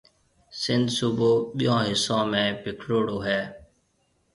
سنڌ صوبو ٻيون حصون ۾ پِکڙوڙو ھيَََ